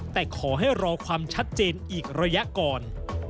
แต่ขอให้รอความชัดเจนอีกระยะก่อน